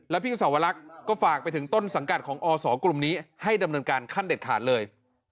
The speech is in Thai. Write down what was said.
พี่สาวลักษณ์ก็ฝากไปถึงต้นสังกัดของอศกลุ่มนี้ให้ดำเนินการขั้นเด็ดขาดเลย